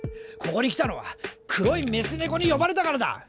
ここに来たのは黒いメス猫に呼ばれたからだ。